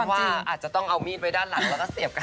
ดิฉันว่าอาจจะต้องเอามีดไปด้านหลังแล้วก็เสพกัน